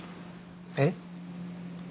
えっ？